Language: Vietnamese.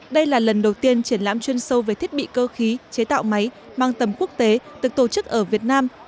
đây là lần đầu tiên triển lãm chuyên sâu về thiết bị cơ khí chế tạo máy mang tầm quốc tế được tổ chức ở việt nam